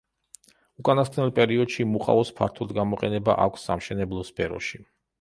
უკანასკნელ პერიოდში მუყაოს ფართოდ გამოყენება აქვს სამშენებლო სფეროში.